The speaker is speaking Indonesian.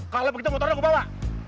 kalau begitu motornya aku bawa